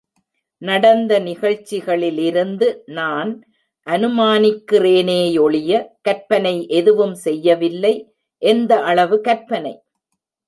நடந்த நிகழ்ச்சிகளிலிருந்து இதை நான் அனுமானிக்கிறேனேயொழிய கற்பனை எதுவும் செய்யவில்லை. எந்த அளவு கற்பனை?